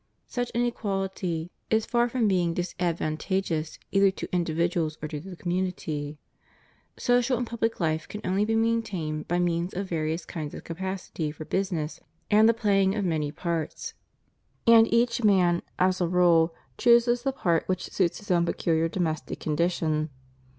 Such inequality is far from being disadvantageous either to individuals or to the community. Social and public life can only be maintained by means of various kinds of capacuj'' for business and the playing of many parts; and each man, as a rule, chooses the part which suits his own peculiar domestic condition.